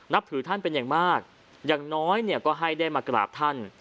ถือท่านเป็นอย่างมากอย่างน้อยเนี่ยก็ให้ได้มากราบท่าน